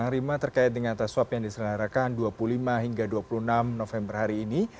rima terkait dengan tes swab yang diselenggarakan dua puluh lima hingga dua puluh enam november hari ini